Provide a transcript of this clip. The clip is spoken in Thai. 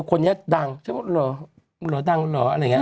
คนนี้ดังฉันบอกหรอ